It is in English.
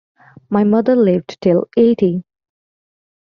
My mother lived till eighty.